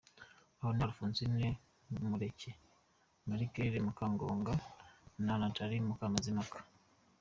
Abo ni Alphonsine Mumureke, Marie Claire Mukangango na Nathalie Mukamazimpaka.